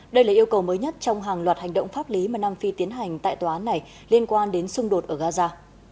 đây là yêu cầu mới nhất trong hàng loạt hành động pháp lý mà nam phi tiến hành tại tòa án này liên quan đến xung đột ở gaza